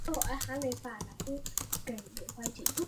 御嵩町为岐阜县可儿郡的町。